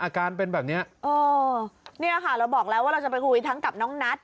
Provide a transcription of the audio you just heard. อาการเป็นแบบเนี้ยเออเนี่ยค่ะเราบอกแล้วว่าเราจะไปคุยทั้งกับน้องนัท